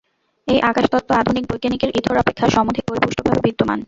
এই আকাশতত্ত্ব আধুনিক বৈজ্ঞানিকের ইথর অপেক্ষা সমধিক পরিপুষ্টভাবে বিদ্যমান।